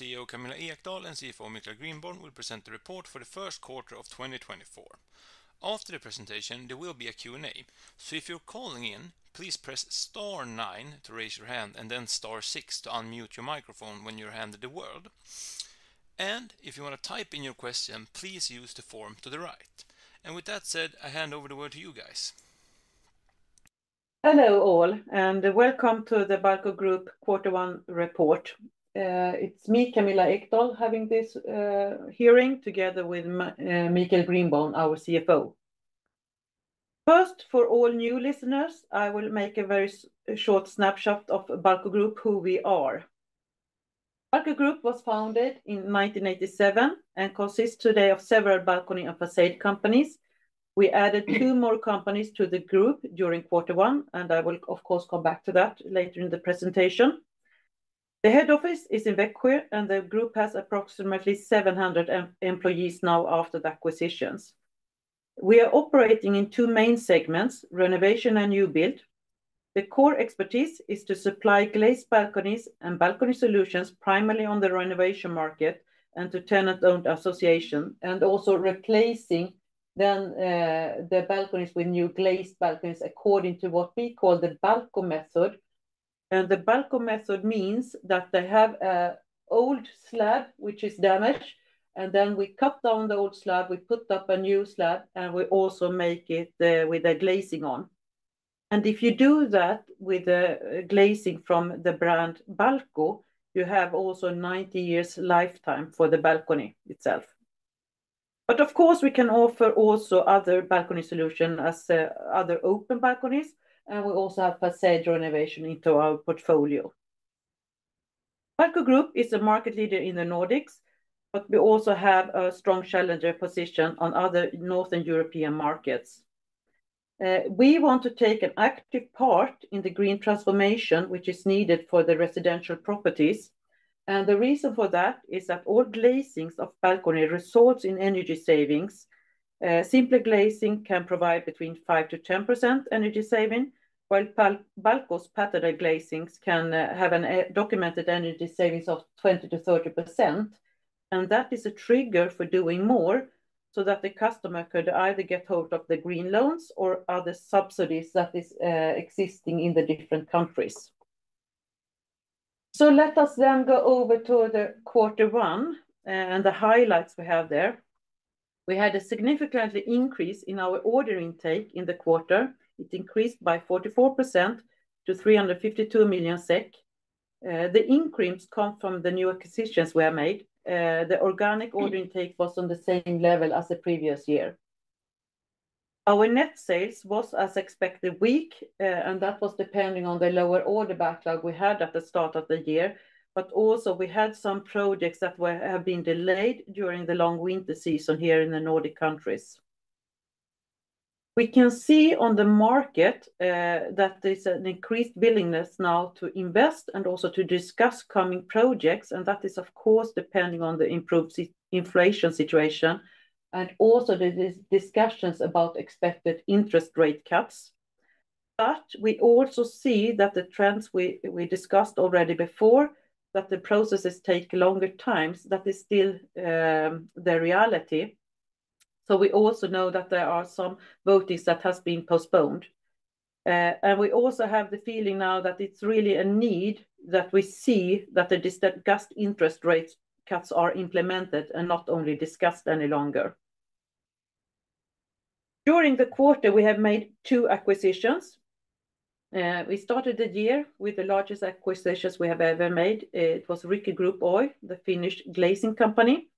CEO Camilla Ekdahl and CFO Michael Grindborn will present the report for the first quarter of 2024. After the presentation, there will be a Q&A. So if you're calling in, please press star nine to raise your hand and then star six to unmute your microphone when you're handed the word. And if you want to type in your question, please use the form to the right. And with that said, I hand over the word to you guys. Hello, all, and welcome to the Balco Group quarter one report. It's me, Camilla Ekdahl, having this hearing together with Michael Grindborn, our CFO. First, for all new listeners, I will make a very short snapshot of Balco Group, who we are. Balco Group was founded in 1987 and consists today of several balcony and façade companies. We added two more companies to the group during quarter one, and I will, of course, come back to that later in the presentation. The head office is in Växjö, and the group has approximately 700 employees now, after the acquisitions. We are operating in two main segments, renovation and new build. The core expertise is to supply glazed balconies and balcony solutions, primarily on the renovation market and to tenant-owned association, and also replacing the balconies with new glazed balconies, according to what we call the Balco Method. The Balco Method means that they have an old slab, which is damaged, and then we cut down the old slab, we put up a new slab, and we also make it with a glazing on. If you do that with a glazing from the brand Balco, you also have 90 years lifetime for the balcony itself. But of course, we can offer also other balcony solution as other open balconies, and we also have façade renovation into our portfolio. Balco Group is a market leader in the Nordics, but we also have a strong challenger position on other Northern European markets. We want to take an active part in the green transformation, which is needed for the residential properties, and the reason for that is that all glazings of balcony results in energy savings. Simpler glazing can provide between 5%-10% energy saving, while Balco's patterned glazings can have a documented energy savings of 20%-30%, and that is a trigger for doing more so that the customer could either get hold of the green loans or other subsidies that is existing in the different countries. So let us then go over to the quarter one and the highlights we have there. We had a significant increase in our order intake in the quarter. It increased by 44% to 352 million SEK. The increments come from the new acquisitions were made. The organic order intake was on the same level as the previous year. Our net sales was, as expected, weak, and that was depending on the lower order backlog we had at the start of the year, but also we had some projects that have been delayed during the long winter season here in the Nordic countries. We can see on the market that there's an increased willingness now to invest and also to discuss coming projects, and that is, of course, depending on the improved inflation situation, and also the discussions about expected interest rate cuts. But we also see that the trends we discussed already before, that the processes take longer times, that is still the reality. So we also know that there are some votings that has been postponed, and we also have the feeling now that it's really a need that we see that the discussed interest rates cuts are implemented and not only discussed any longer. During the quarter, we have made two acquisitions. We started the year with the largest acquisitions we have ever made. It was Riikku Group Oy, the Finnish glazing company,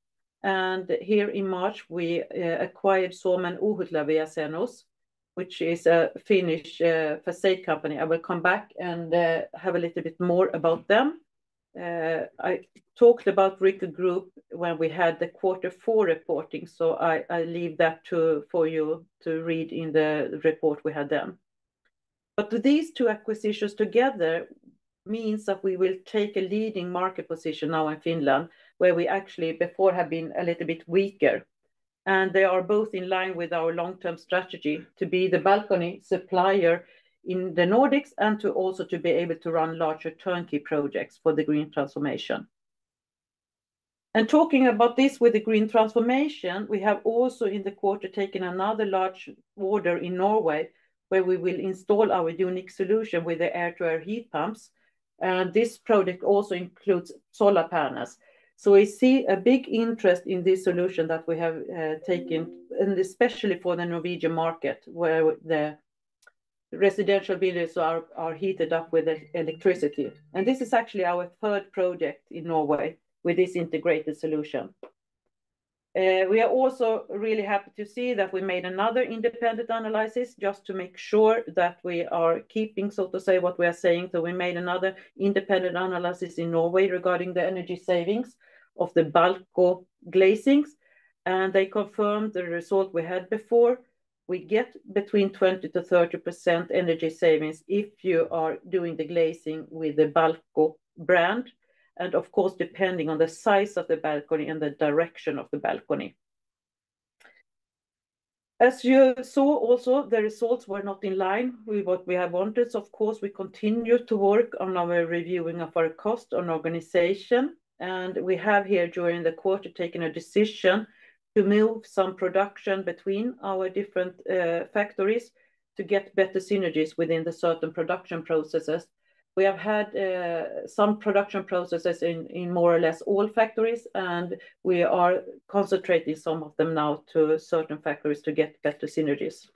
and here in March, we acquired Suomen Julkisivut Laajasalo, which is a Finnish façade company. I will come back and have a little bit more about them. I talked about Riikku Group when we had the quarter four reporting, so I leave that for you to read in the report we had then. But these two acquisitions together means that we will take a leading market position now in Finland, where we actually before have been a little bit weaker. And they are both in line with our long-term strategy to be the balcony supplier in the Nordics and to also be able to run larger turnkey projects for the green transformation. And talking about this with the green transformation, we have also, in the quarter, taken another large order in Norway, where we will install our unique solution with the air-to-air heat pumps, and this product also includes solar panels. So we see a big interest in this solution that we have taken, and especially for the Norwegian market, where the residential buildings are heated up with electricity. And this is actually our third project in Norway with this integrated solution. We are also really happy to see that we made another independent analysis just to make sure that we are keeping, so to say, what we are saying. So we made another independent analysis in Norway regarding the energy savings of the Balco glazings, and they confirmed the result we had before. We get between 20%-30% energy savings if you are doing the glazing with the Balco brand, and of course, depending on the size of the balcony and the direction of the balcony. As you saw, also, the results were not in line with what we have wanted. So of course, we continue to work on our reviewing of our cost on organization, and we have here, during the quarter, taken a decision to move some production between our different factories to get better synergies within the certain production processes. We have had some production processes in more or less all factories, and we are concentrating some of them now to certain factories to get better synergies.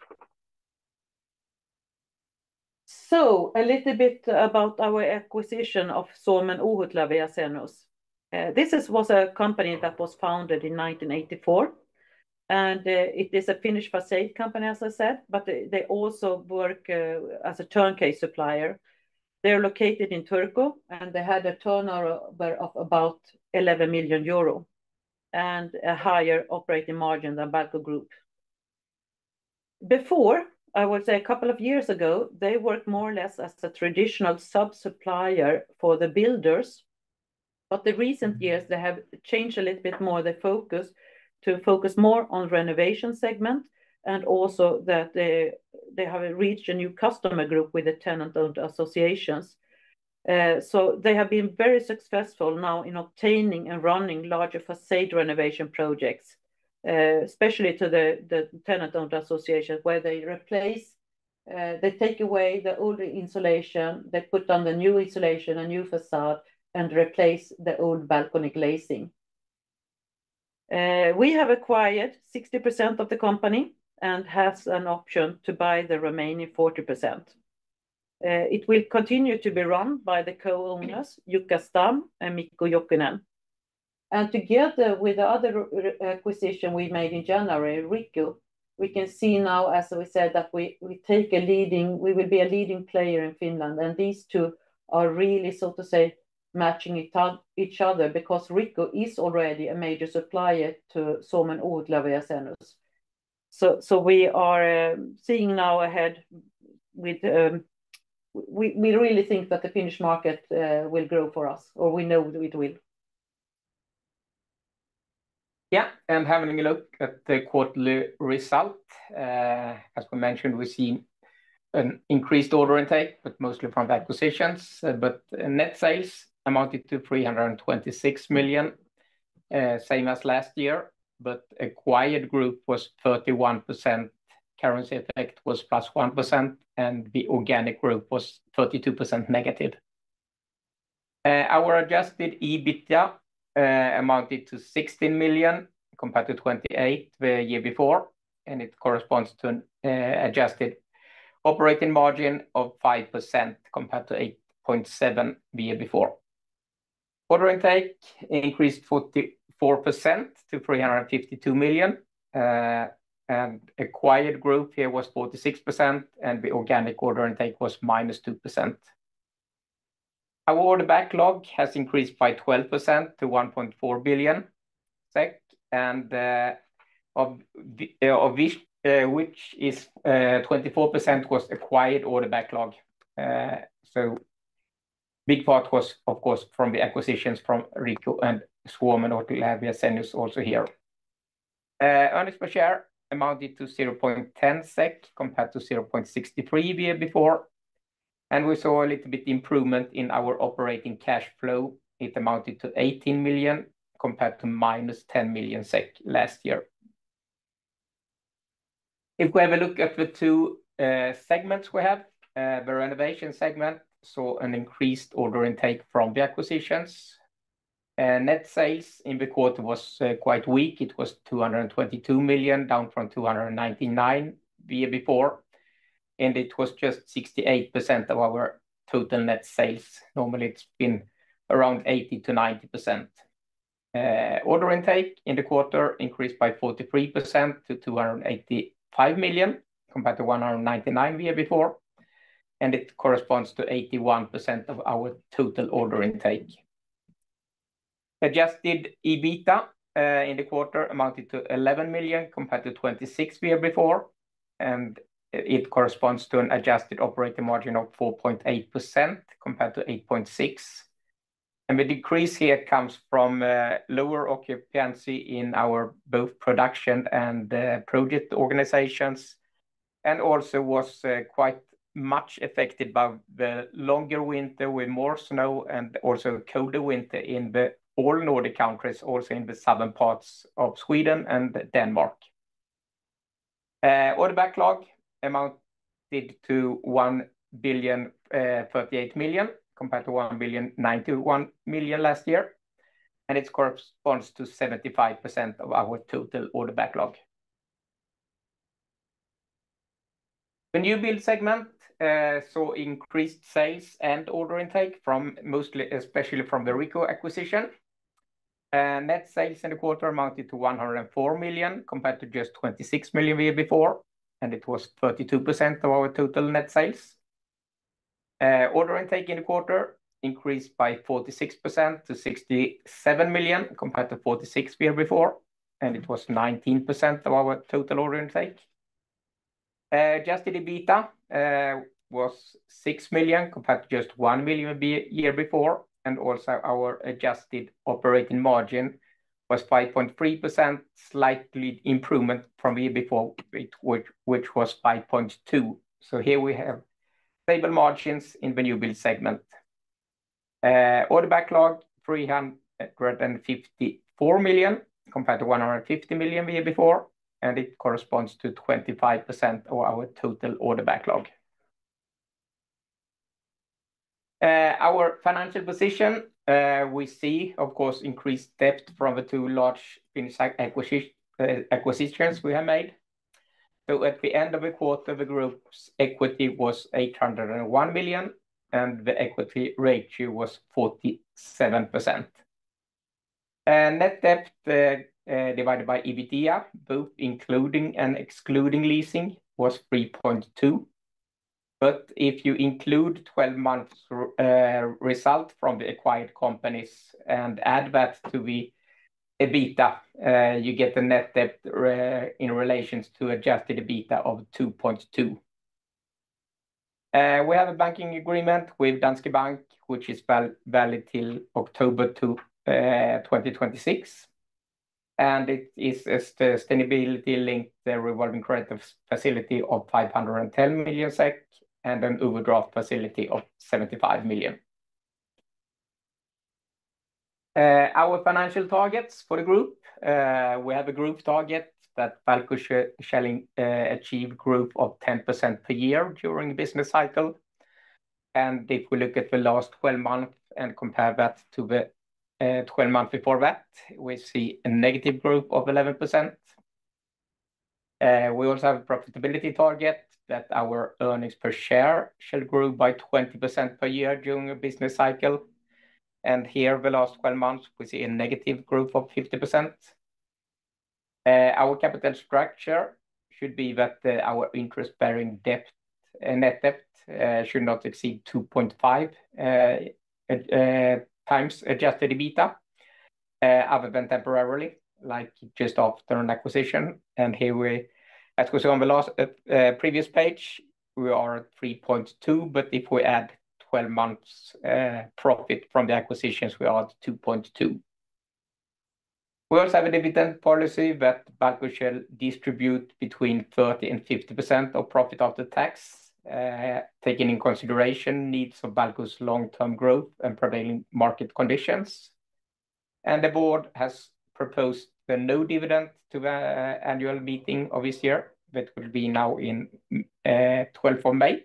So a little bit about our acquisition of Suomen Julkisivut Laajasalo. This was a company that was founded in 1984, and it is a Finnish façade company, as I said, but they also work as a turnkey supplier. They're located in Turku, and they had a turnover of about 11 million euro and a higher operating margin than Balco Group. Before, I would say a couple of years ago, they worked more or less as a traditional sub-supplier for the builders. But the recent years, they have changed a little bit more the focus to focus more on renovation segment, and also that they have reached a new customer group with the tenant-owned associations. So they have been very successful now in obtaining and running larger façade renovation projects, especially to the tenant-owned association, where they replace, they take away the old insulation, they put on the new insulation and new façade and replace the old balcony glazing. We have acquired 60% of the company and has an option to buy the remaining 40%. It will continue to be run by the co-owners, Jukka Stam and Mikko Jokinen. And together with the other recent acquisition we made in January, Riikku, we can see now, as we said, that we will be a leading player in Finland, and these two are really, so to say, matching each other because Riikku is already a major supplier to Suomen Julkisivut Laajasalo. So we are seeing now ahead with... We really think that the Finnish market will grow for us, or we know that it will. Yeah, and having a look at the quarterly result, as we mentioned, we've seen an increased order intake, but mostly from the acquisitions. But net sales amounted to 326 million, same as last year, but acquired group was 31%, currency effect was +1%, and the organic group was -32%. Our adjusted EBITDA amounted to 16 million, compared to 28 million the year before, and it corresponds to an adjusted operating margin of 5%, compared to 8.7% the year before. Order intake increased 44% to 352 million, and acquired group here was 46%, and the organic order intake was -2%. Our order backlog has increased by 12% to 1.4 billion SEK, and, of which, which is, 24% was acquired order backlog. So big part was, of course, from the acquisitions from Riikku and Suomen Julkisivut Laajasalo also here. Earnings per share amounted to 0.10 SEK, compared to 0.63 the year before, and we saw a little bit improvement in our operating cash flow. It amounted to 18 million, compared to -10 million SEK last year. If we have a look at the 2 segments we have, the renovation segment, so an increased order intake from the acquisitions. And net sales in the quarter was quite weak. It was 222 million, down from 299 million the year before, and it was just 68% of our total net sales. Normally, it's been around 80%-90%. Order intake in the quarter increased by 43% to 285 million, compared to 199 million the year before, and it corresponds to 81% of our total order intake. Adjusted EBITDA in the quarter amounted to 11 million, compared to 26 million the year before, and it corresponds to an adjusted operating margin of 4.8%, compared to 8.6%. The decrease here comes from lower occupancy in our both production and project organizations, and also was quite much affected by the longer winter with more snow and also colder winter in the all Nordic countries, also in the southern parts of Sweden and Denmark. Order backlog amounted to 1,038 million, compared to 1,091 million last year, and it corresponds to 75% of our total order backlog. The new build segment saw increased sales and order intake from mostly, especially from the Riikku acquisition. Net sales in the quarter amounted to 104 million, compared to just 26 million the year before, and it was 32% of our total net sales. Order intake in the quarter increased by 46% to 67 million, compared to 46 the year before, and it was 19% of our total order intake. Adjusted EBITDA was 6 million compared to just 1 million the year before, and also our adjusted operating margin was 5.3%, slightly improvement from the year before, which was 5.2. So here we have stable margins in Renovation segment. Order backlog, 354 million, compared to 150 million the year before, and it corresponds to 25% of our total order backlog. Our financial position, we see, of course, increased debt from the two large acquisitions we have made. So at the end of the quarter, the group's equity was 801 million, and the equity ratio was 47%. Net debt divided by EBITDA, both including and excluding leasing, was 3.2. But if you include twelve months result from the acquired companies and add that to the EBITDA, you get the net debt in relations to adjusted EBITDA of 2.2. We have a banking agreement with Danske Bank, which is valid till October 2026, and it is a sustainability-linked revolving credit facility of 510 million SEK, and an overdraft facility of 75 million. Our financial targets for the group, we have a group target that Balco shall achieve growth of 10% per year during the business cycle. If we look at the last twelve months and compare that to the twelve months before that, we see a negative growth of 11%. We also have a profitability target that our earnings per share shall grow by 20% per year during a business cycle, and here, the last 12 months, we see a negative growth of -50%. Our capital structure should be that our interest-bearing debt and net debt should not exceed 2.5x adjusted EBITDA, other than temporarily, like just after an acquisition. And here we, as was on the last previous page, we are at 3.2, but if we add 12 months profit from the acquisitions, we are at 2.2. We also have a dividend policy that Balco shall distribute between 30% and 50% of profit after tax, taking in consideration needs of Balco's long-term growth and prevailing market conditions. The board has proposed no dividend to the annual meeting of this year, that will be now in the 12th of May,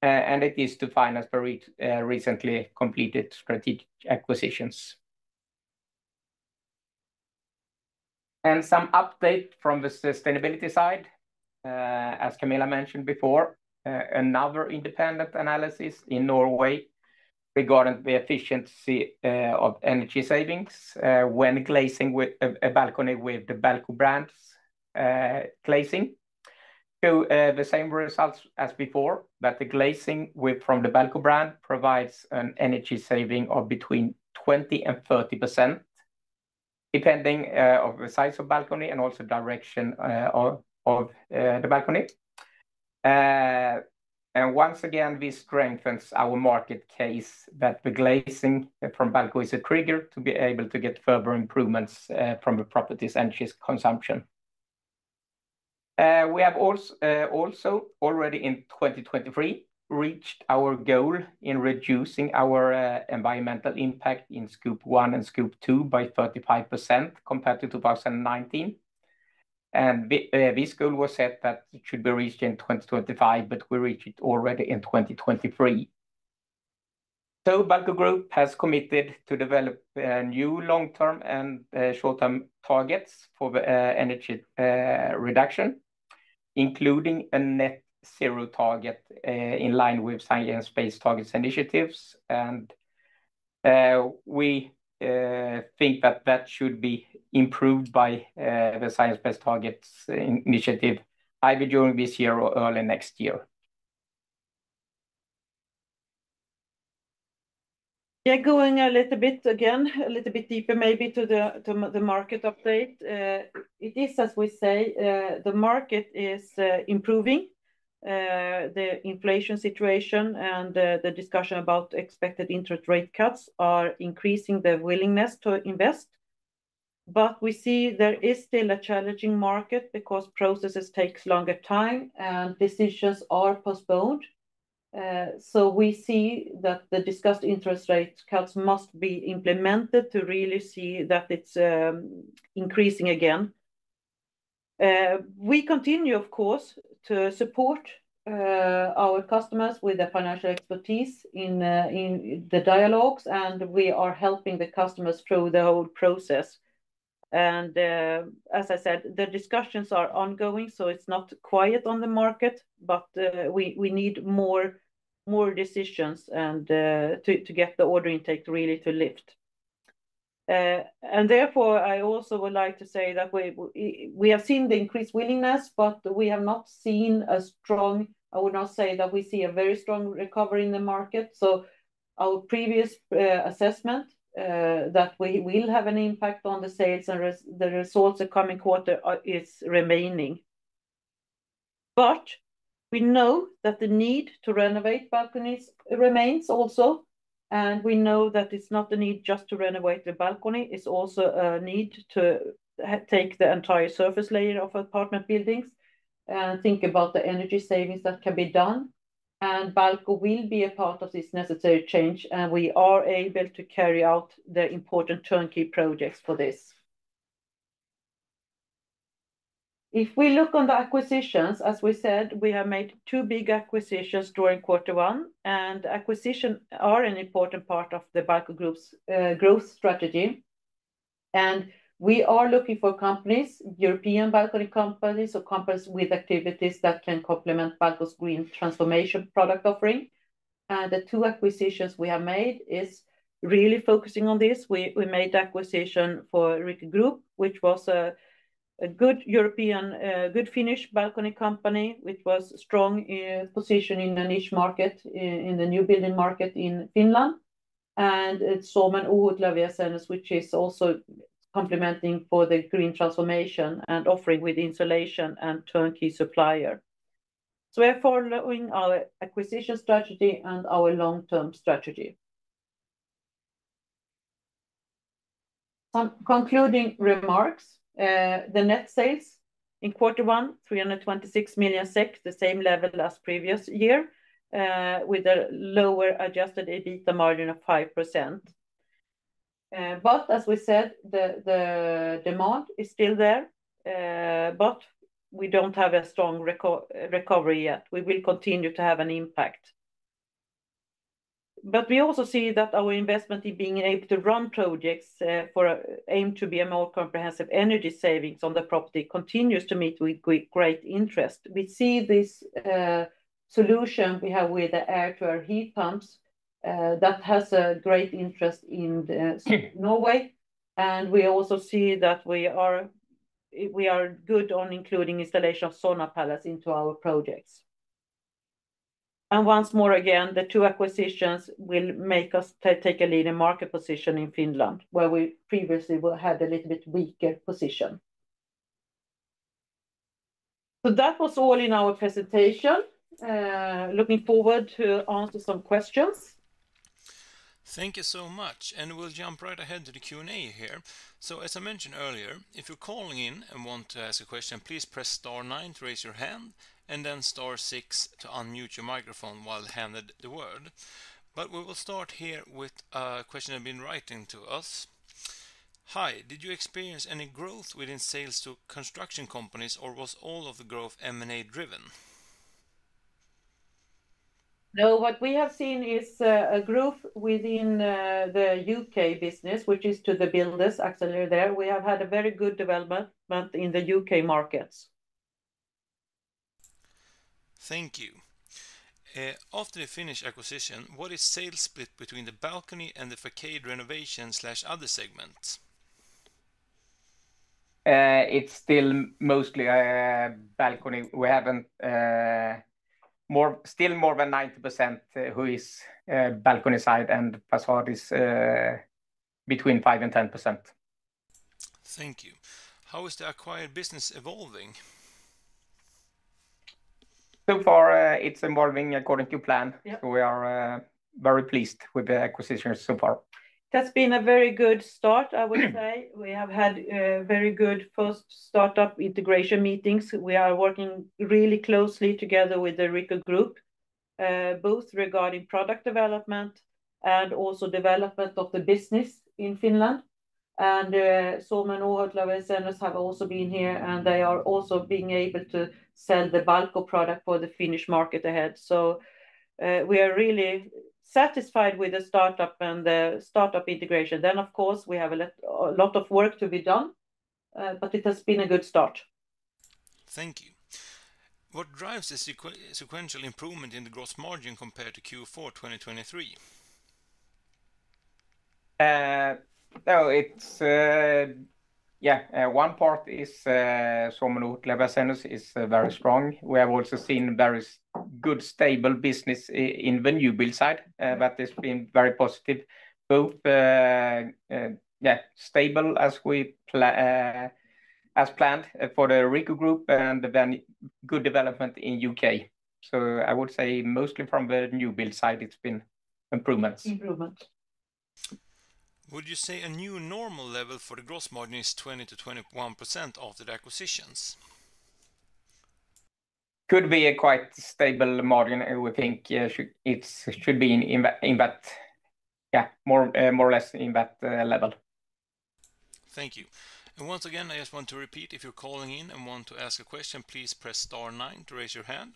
and it is to finance very recently completed strategic acquisitions. Some update from the sustainability side, as Camilla mentioned before, another independent analysis in Norway regarding the efficiency of energy savings when glazing a balcony with the Balco brand glazing. So, the same results as before, that the glazing from the Balco brand provides an energy saving of between 20% and 30%, depending on the size of balcony and also direction of the balcony. And once again, this strengthens our market case that the glazing from Balco is a trigger to be able to get further improvements from the property's energy consumption. We have also, also already in 2023, reached our goal in reducing our environmental impact in Scope 1 and Scope 2 by 35% compared to 2019. And this goal was set that it should be reached in 2025, but we reached it already in 2023. So Balco Group has committed to develop new long-term and short-term targets for the energy reduction, including a net zero target in line with Science Based Targets initiative. And we think that that should be improved by the Science Based Targets initiative, either during this year or early next year. Yeah, going a little bit, again, a little bit deeper maybe to the market update. It is, as we say, the market is improving, the inflation situation and the discussion about expected interest rate cuts are increasing the willingness to invest. But we see there is still a challenging market because processes takes longer time, and decisions are postponed. So we see that the discussed interest rate cuts must be implemented to really see that it's increasing again. We continue, of course, to support our customers with the financial expertise in the dialogues, and we are helping the customers through the whole process. As I said, the discussions are ongoing, so it's not quiet on the market, but we need more decisions and to get the order intake really to lift. And therefore, I also would like to say that we have seen the increased willingness, but we have not seen a strong... I would not say that we see a very strong recovery in the market, so... Our previous assessment that we will have an impact on the sales and the results the coming quarter is remaining. But we know that the need to renovate balconies remains also, and we know that it's not the need just to renovate the balcony, it's also a need to take the entire surface layer of apartment buildings, and think about the energy savings that can be done. Balco will be a part of this necessary change, and we are able to carry out the important turnkey projects for this. If we look on the acquisitions, as we said, we have made two big acquisitions during quarter one, and acquisition are an important part of the Balco Group's growth strategy. We are looking for companies, European balcony companies or companies with activities that can complement Balco's green transformation product offering. The two acquisitions we have made is really focusing on this. We made acquisition for Riikku Group, which was a good European, good Finnish balcony company, which was strong position in the niche market, in the new building market in Finland. It's Suomen, which is also complementing for the green transformation and offering with insulation and turnkey supplier. We are following our acquisition strategy and our long-term strategy. Some concluding remarks. The net sales in quarter one, 326 million SEK, the same level as previous year, with a lower adjusted EBITDA margin of 5%. But as we said, the demand is still there, but we don't have a strong recovery yet. We will continue to have an impact. But we also see that our investment in being able to run projects, for aim to be a more comprehensive energy savings on the property continues to meet with great interest. We see this solution we have with the air-to-air heat pumps, that has a great interest in Norway, and we also see that we are good on including installation of solar panels into our projects. Once more again, the two acquisitions will make us take a leading market position in Finland, where we previously will have a little bit weaker position. That was all in our presentation. Looking forward to answer some questions. Thank you so much, and we'll jump right ahead to the Q&A here. So as I mentioned earlier, if you're calling in and want to ask a question, please press star nine to raise your hand, and then star six to unmute your microphone while handed the word. But we will start here with a question you've been writing to us. Hi, did you experience any growth within sales to construction companies, or was all of the growth M&A driven? No, what we have seen is a growth within the U.K. business, which is to the builders actually there. We have had a very good development, but in the U.K. markets. Thank you. After the Finnish acquisition, what is sales split between the balcony and the facade renovation/other segments? It's still mostly balcony. Still more than 90% who is balcony side, and facade is between 5% and 10%. Thank you. How is the acquired business evolving? So far, it's evolving according to plan. Yeah. We are very pleased with the acquisitions so far. That's been a very good start, I would say. We have had a very good first startup integration meetings. We are working really closely together with the Riikku Group, both regarding product development and also development of the business in Finland. And, Suomen have also been here, and they are also being able to sell the Balco product for the Finnish market ahead. So, we are really satisfied with the startup and the startup integration. Then, of course, we have a lot, a lot of work to be done, but it has been a good start. Thank you. What drives the sequential improvement in the gross margin compared to Q4 2023? Yeah, one part is, Suomen is very strong. We have also seen very good, stable business in the new build side. That has been very positive, both, yeah, stable as we planned for the Riikku Group and the very good development in U.K. So I would say mostly from the new build side, it's been improvements. Improvements. Would you say a new normal level for the gross margin is 20%-21% after the acquisitions? Could be a quite stable margin, and we think, yeah, it should be in that, yeah, more or less in that level. Thank you. Once again, I just want to repeat, if you're calling in and want to ask a question, please press star nine to raise your hand.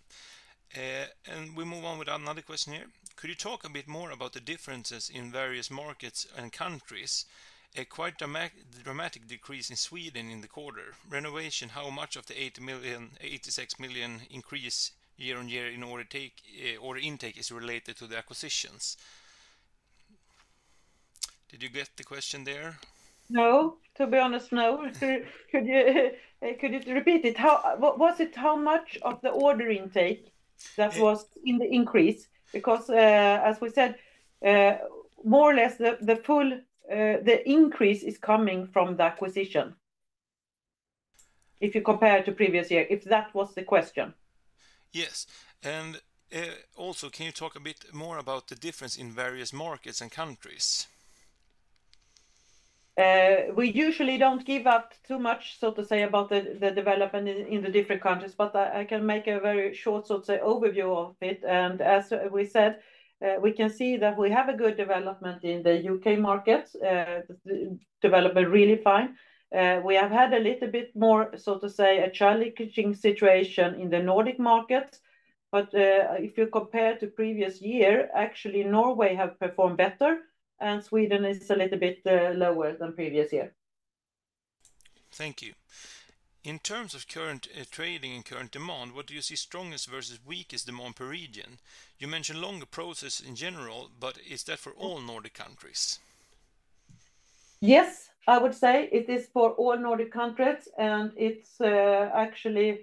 We move on with another question here. Could you talk a bit more about the differences in various markets and countries? A quite dramatic decrease in Sweden in the quarter. Renovation, how much of the 80 million, 86 million increase year on year in order intake is related to the acquisitions? Did you get the question there? No, to be honest, no. Could you repeat it? How was it how much of the order intake that was in the increase? Because, as we said, more or less, the full increase is coming from the acquisition. If you compare it to previous year, if that was the question. Yes. And also, can you talk a bit more about the difference in various markets and countries? We usually don't give out too much, so to say, about the development in the different countries, but I can make a very short, so to say, overview of it. And as we said, we can see that we have a good development in the U.K. markets. Development really fine. We have had a little bit more, so to say, a challenging situation in the Nordic markets. But if you compare to previous year, actually, Norway have performed better, and Sweden is a little bit lower than previous year. Thank you. In terms of current, trading and current demand, what do you see strongest versus weakest demand per region? You mentioned longer process in general, but is that for all Nordic countries? Yes, I would say it is for all Nordic countries, and it's actually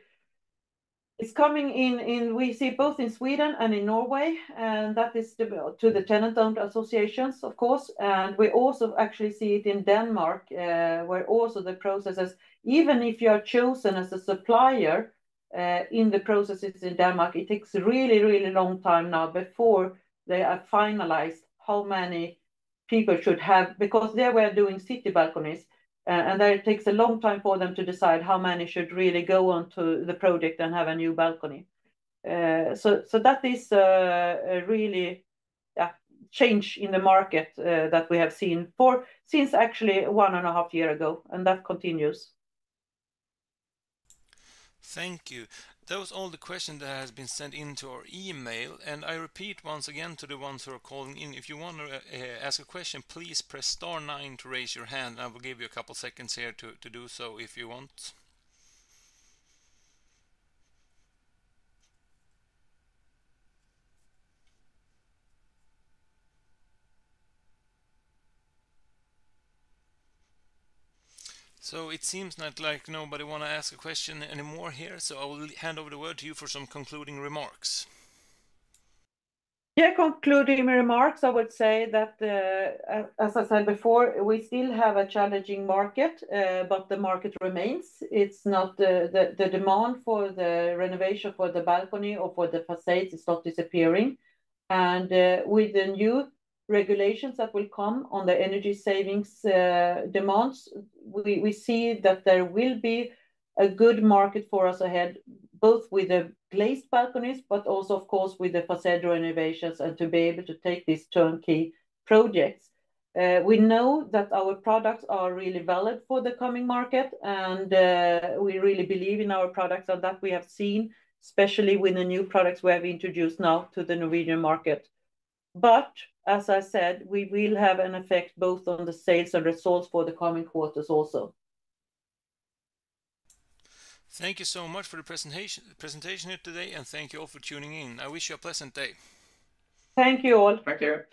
coming in, we see both in Sweden and in Norway, and that is to the tenant-owned associations, of course. And we also actually see it in Denmark, where also the processes, even if you are chosen as a supplier, in the processes in Denmark, it takes a really, really long time now before they are finalized, how many people should have... Because there we are doing city balconies, and then it takes a long time for them to decide how many should really go on to the project and have a new balcony. So that is a really, yeah, change in the market, that we have seen for since actually 1.5 year ago, and that continues. Thank you. That was all the question that has been sent into our email, and I repeat once again to the ones who are calling in, if you want to ask a question, please press star nine to raise your hand. I will give you a couple seconds here to do so if you want. So it seems not like nobody want to ask a question anymore here, so I will hand over the word to you for some concluding remarks. Yeah, concluding remarks, I would say that, as I said before, we still have a challenging market, but the market remains. It's not the demand for the renovation for the balcony or for the facades is not disappearing. And, with the new regulations that will come on the energy savings demands, we see that there will be a good market for us ahead, both with the glazed balconies, but also, of course, with the facade renovations and to be able to take these turnkey projects. We know that our products are really valid for the coming market, and we really believe in our products, and that we have seen, especially with the new products we have introduced now to the Norwegian market. But as I said, we will have an effect both on the sales and results for the coming quarters also. Thank you so much for the presentation here today, and thank you all for tuning in. I wish you a pleasant day. Thank you all for here.